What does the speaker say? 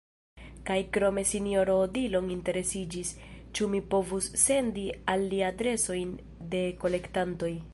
Kaj krome Sinjoro Odilon interesiĝis, ĉu mi povus sendi al li adresojn de kolektantoj.